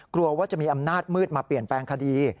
กลัวว่าจะมีอำนาจมืดมาเปลี่ยนแปลงคดี